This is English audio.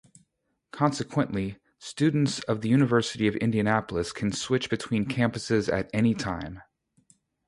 Consequently, students of the University of Indianapolis can switch between campuses at any time.